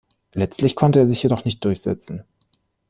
Letztlich konnte er sich jedoch nicht durchsetzen.